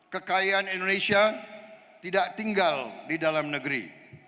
kekayaan indonesia tidak tinggal di dalam negeri